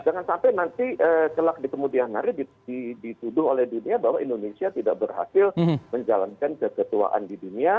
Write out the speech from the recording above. jangan sampai nanti telah dikemudian hari dituduh oleh dunia bahwa indonesia tidak berhasil menjalankan kesetuaan di dunia